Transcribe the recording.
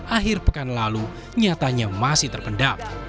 akhir pekan lalu nyatanya masih terpendam